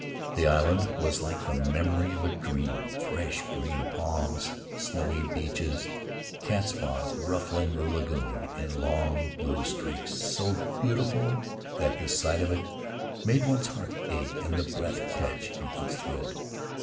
The island was like the memory of a dream — fresh green palms, snowy beaches, cat's paws ruffling the lagoon in long, blue streaks — so beautiful that the sight of it made one's heart ache and the breath catch in one's throat.